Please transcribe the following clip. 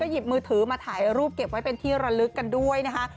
หายรูปเก็บไว้เป็นที่ระลึกกันด้วยนะคะ